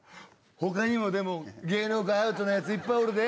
他にもでも芸能界アウトな奴いっぱいおるで。